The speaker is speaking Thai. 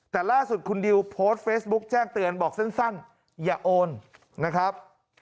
แต่ล่าสุดคุณดิวโพสต์เฟซบุ๊กแจ้งเตือนบอกสั้นอย่าโอนนะครับ